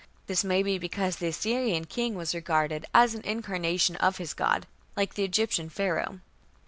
This may be because the Assyrian king was regarded as an incarnation of his god, like the Egyptian Pharaoh.